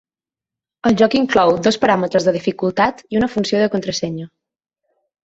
El joc inclou dos paràmetres de dificultat i una funció de contrasenya.